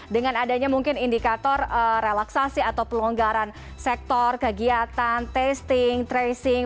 dengan adanya mungkin indikator relaksasi atau pelonggaran sektor kegiatan testing tracing